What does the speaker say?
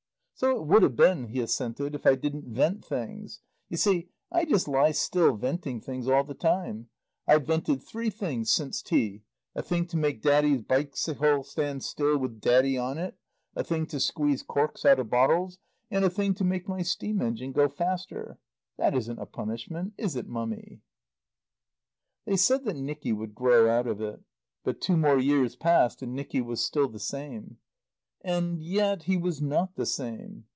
"So it would have been," he assented, "if I didn't 'vent things. You see, I just lie still 'venting things all the time. I've 'vented three things since tea: a thing to make Daddy's bikesickle stand still with Daddy on it; a thing to squeeze corks out of bottles; and a thing to make my steam engine go faster. That isn't a punishment, is it, Mummy?" They said that Nicky would grow out of it. But two more years passed and Nicky was still the same. And yet he was not the same.